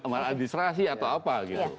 ada administrasi atau apa gitu